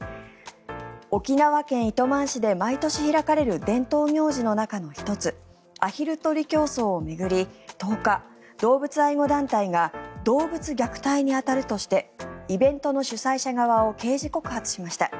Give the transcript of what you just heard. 沖縄県糸満市で毎年開かれる伝統行事の中の１つアヒル取り競争を巡り１０日動物愛護団体が動物虐待に当たるとしてイベントの主催者側を刑事告発しました。